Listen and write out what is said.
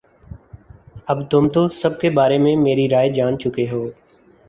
اب تم تو سب کے بارے میں میری رائے جان چکے ہو